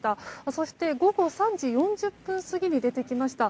そして、午後３時４０分過ぎに出てきました。